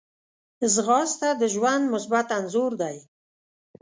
ځغاسته د ژوند مثبت انځور دی